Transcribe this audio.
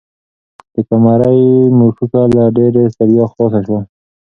د قمرۍ مښوکه له ډېرې ستړیا خلاصه شوه.